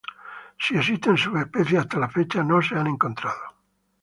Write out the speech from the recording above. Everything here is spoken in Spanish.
Si existen subespecies, hasta la fecha no se han encontrado.